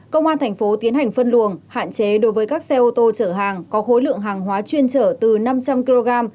công an thành phố tiến hành phân luồng hạn chế đối với các xe ô tô chở hàng có khối lượng hàng hóa chuyên trở từ năm trăm linh kg